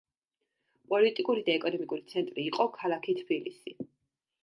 პოლიტიკური და ეკონომიკური ცენტრი იყო ქალაქი თბილისი.